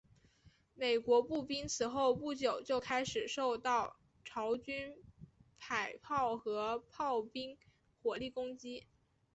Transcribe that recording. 美军步兵此后不久就开始受到朝军迫炮和炮兵火力攻击。